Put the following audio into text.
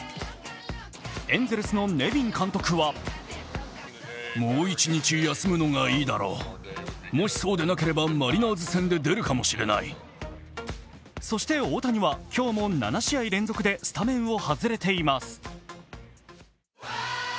エンゼルスのネビン監督はそして、大谷は今日も７試合連続でスタメンを外れています。